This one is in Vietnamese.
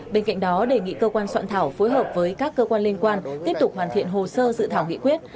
bên cạnh đó đề nghị cơ quan soạn thảo phối hợp với các cơ quan liên quan tiếp tục hoàn thiện hồ sơ dự thảo nghị quyết